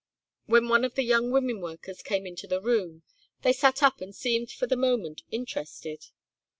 When one of the young women workers came into the room, they sat up and seemed for the moment interested.